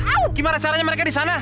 oh gimana caranya mereka di sana